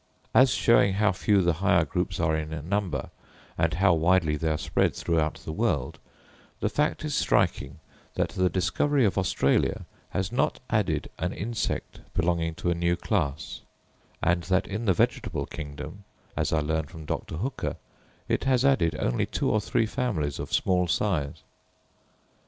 As showing how few the higher groups are in number, and how widely they are spread throughout the world, the fact is striking that the discovery of Australia has not added an insect belonging to a new class, and that in the vegetable kingdom, as I learn from Dr. Hooker, it has added only two or three families of small size.